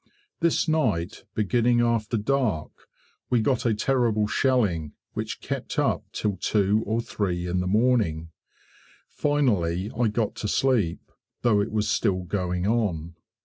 This night, beginning after dark, we got a terrible shelling, which kept up till 2 or 3 in the morning. Finally I got to sleep, though it was still going on.